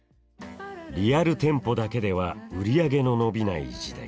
リアル店舗だけでは売り上げの伸びない時代。